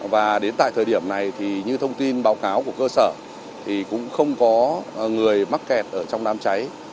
và đến tại thời điểm này thì như thông tin báo cáo của cơ sở thì cũng không có người mắc kẹt ở trong đám cháy